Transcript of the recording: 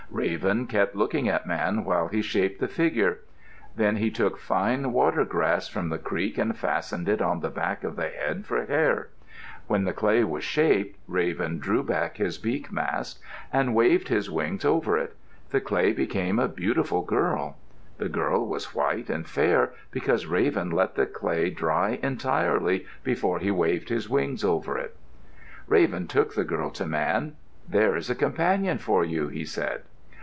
Raven kept looking at Man while he shaped the figure. Then he took fine water grass from the creek and fastened it on the back of the head for hair. When the clay was shaped, Raven drew down his beak mask and waved his wings over it. The clay became a beautiful girl. The girl was white and fair because Raven let the clay dry entirely before he waved his wings over it. Raven took the girl to Man. "There is a companion for you," he said.